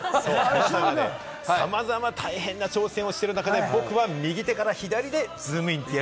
さまざま、大変な挑戦をしてる中で、僕は右手から左手でズームイン！！